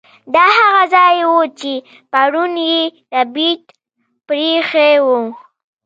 دا هغه ځای و چې پرون یې ربیټ پریښی و